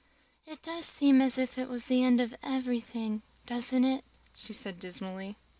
"It does seem as if it was the end of everything, doesn't it?" she said dismally.